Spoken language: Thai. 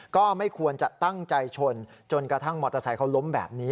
ก็ไม่ควรจะตั้งใจชนจนกระทั่งมอเตอร์ไซค์เขาล้มแบบนี้